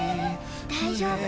大丈夫。